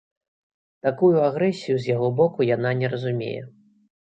Такую агрэсію з яго боку яна не разумее.